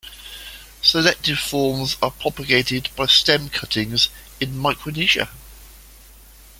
Selected forms are propagated by stem cuttings in Micronesia.